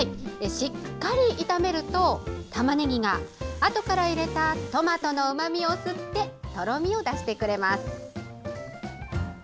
しっかり炒めるとたまねぎが、あとから入れたトマトのうまみを吸ってとろみを出してくれます。